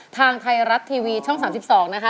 ทางไทยรัฐทีวีช่อง๓๒นะคะ